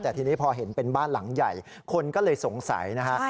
แต่ทีนี้พอเห็นเป็นบ้านหลังใหญ่คนก็เลยสงสัยนะฮะ